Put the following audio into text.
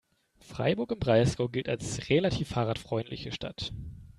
Freiburg im Breisgau gilt als relativ fahrradfreundliche Stadt.